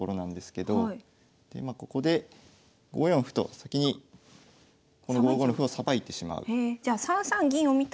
まあここで５四歩と先にこの５五の歩をさばいてしまう。